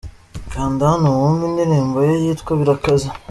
Kanda hano wumve indirimbo ye yitwa Birakaze.